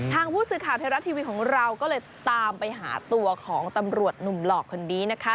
ทางผู้สื่อข่าวไทยรัฐทีวีของเราก็เลยตามไปหาตัวของตำรวจหนุ่มหลอกคนนี้นะคะ